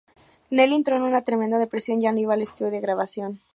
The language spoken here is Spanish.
Nelly entró en una tremenda depresión, ya no iba al estudio de grabación.